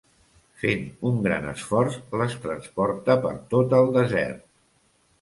Fent un gran esforç les transporta per tot el desert.